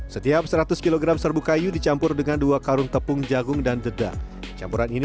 setiap seratus kg serbu kayu dicampur dengan dua karung tepung jagung dan dedak campuran ini